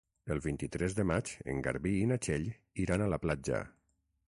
El vint-i-tres de maig en Garbí i na Txell iran a la platja.